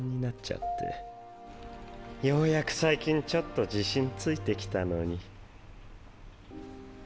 ようやく最近ちょっと自信ついてきたのに。